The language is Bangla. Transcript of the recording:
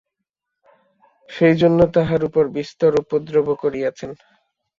সেইজন্য তাঁহার উপর বিস্তর উপদ্রব করিয়াছেন।